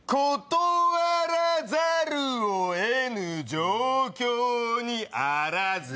断らざるを得ぬ状況にあらず。